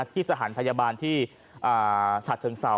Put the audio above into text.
ที่สถานพยาบาลที่ชาติเทิงเสา